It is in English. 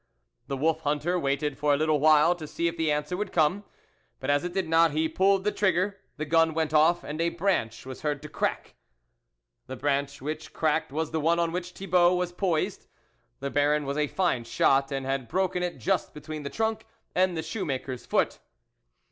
The wolf hunter waited for a little while to see if the answer would come, but as it did not, he pulled the trigger; the gun went off, and a branch was heard to crack. ! The branch which cracked was the one on which Thibault was poised ; the Baron was a fine shot and had broken it just be tween the trunk and the shoemaker's foot.